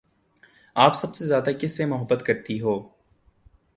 آپ سب سے زیادہ کس سے محبت کرتی ہو؟